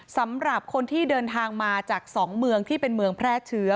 สำหรับคนที่เดินทางมาจาก๒เมืองที่เป็นเมืองแพร่เชื้อ